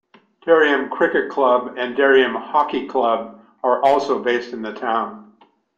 Dereham Cricket Club and Dereham Hockey Club are also based in the town.